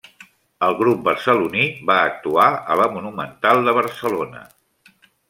El grup barceloní va actuar a la Monumental de Barcelona.